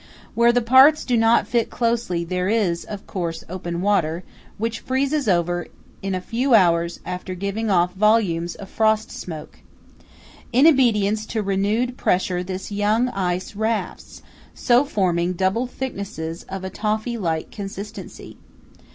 Where the parts do not fit closely there is, of course, open water, which freezes over, in a few hours after giving off volumes of "frost smoke." In obedience to renewed pressure this young ice "rafts," so forming double thicknesses of a toffee like consistency.